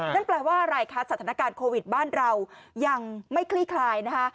นั่นแปลว่าอะไรคะสถานการณ์โควิดบ้านเรายังไม่คลี่คลายนะคะ